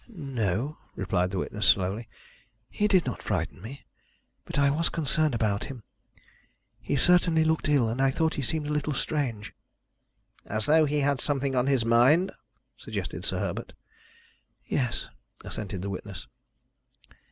"No," replied the witness slowly. "He did not frighten me, but I was concerned about him. He certainly looked ill, and I thought he seemed a little strange." "As though he had something on his mind?" suggested Sir Herbert. "Yes," assented the witness.